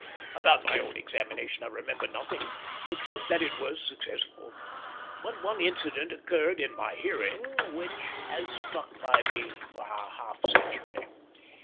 About my own examination I remember nothing except that it was successful; but one incident occurred in my hearing which has stuck by me for a half century.